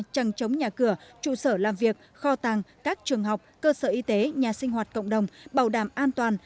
trăng chống nhà cửa trụ sở làm việc kho tàng các trường học cơ sở y tế nhà sinh hoạt cộng đồng bảo đảm an toàn